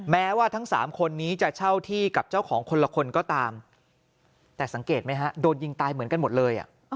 แม้ว่าทั้ง๓คนนี้จะเช่าที่กับเจ้าของคนละคนก็ตามแต่สังเกตไหมฮะโดนยิงตายเหมือนกันหมดเลย